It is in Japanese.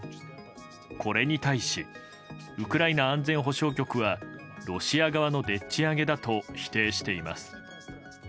これに対しウクライナ安全保障局はロシア側のでっち上げだと否定しています。